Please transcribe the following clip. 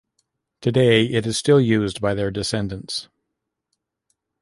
Today, it is still used by their descendants.